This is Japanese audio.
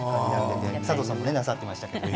佐藤さんもなさっていましたね。